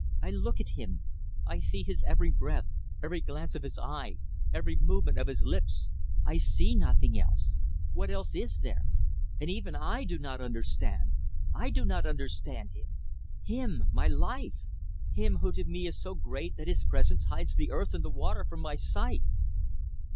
I look at him; I see his every breath, every glance of his eye, every movement of his lips. I see nothing else! What else is there? And even I do not understand. I do not understand him! Him! My life! Him who to me is so great that his presence hides the earth and the water from my sight!"